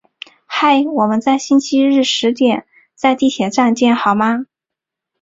嗨，我们星期日十点在地铁站见好吗？